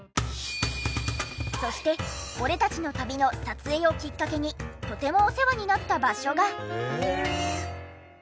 そして『俺たちの旅』の撮影をきっかけにとてもお世話になった場所が。